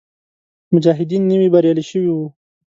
مجاهدین نوي بریالي شوي وو.